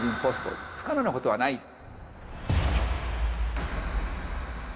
不可能なことはない。